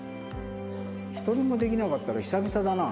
１人もできなかったら久々だな。